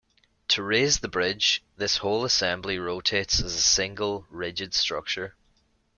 To raise the bridge, this whole assembly rotates as a single, rigid structure.